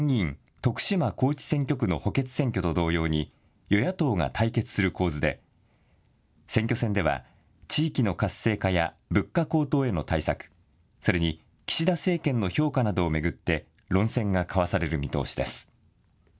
徳島高知選挙区の補欠選挙と同様に、与野党が対決する構図で、選挙戦では、地域の活性化や物価高騰への対策、それに岸田政権の評価などを巡って、論戦が交わされる見通しです。